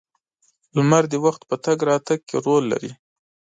• لمر د وخت په تګ راتګ کې رول لري.